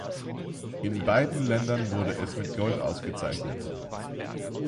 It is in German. In beiden Ländern wurde es mit Gold ausgezeichnet.